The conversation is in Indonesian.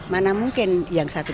mana mungkin yang satu pihak tahu